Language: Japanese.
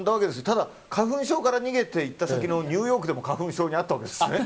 ただ、花粉症から逃げていった先のニューヨークでも花粉症に遭ったんですね。